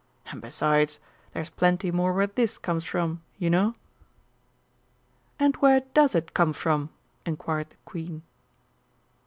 And besides, there's plenty more where this comes from, you know!" "And where does it come from?" inquired the Queen.